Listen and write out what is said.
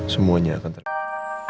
semuanya akan terjadi